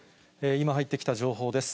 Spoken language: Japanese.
今入ってきた情報です。